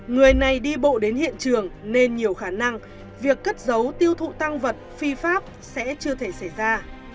người này đi bộ đến hiện trường nên nhiều khả năng việc cất giấu tiêu thụ tăng vật phi pháp sẽ chưa thể xảy ra